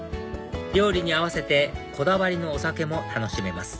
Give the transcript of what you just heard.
料理に合わせてこだわりのお酒も楽しめます